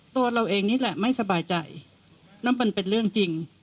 ตัวเราเองนี่แหละไม่สบายใจนั่นมันเป็นเรื่องจริง